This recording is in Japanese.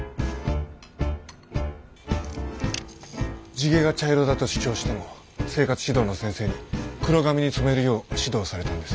地毛が茶色だと主張しても生活指導の先生に黒髪に染めるよう指導されたんです。